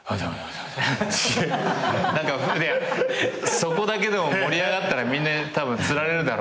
そこだけでも盛り上がったらみんなつられるだろうなと思って。